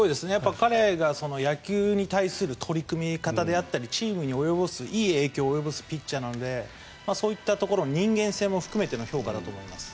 彼の野球に対する取り組み方であったりチームにいい影響を及ぼすピッチャーなのでそういったところ人間性も含めての評価だと思います。